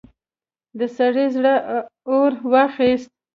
د سړي زړه اور واخيست.